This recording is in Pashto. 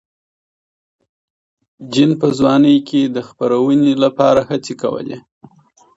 جین په ځوانۍ کې د خپرونې لپاره هڅې کولې.